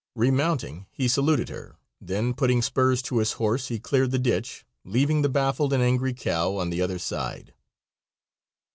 Remounting, he saluted her, then putting spurs to his horse he cleared the ditch, leaving the baffled and angry cow on the other side.